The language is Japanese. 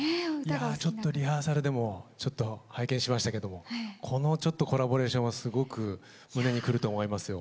ちょっとリハーサルでも拝見しましたけどもこのコラボレーションはすごく胸にくると思いますよ。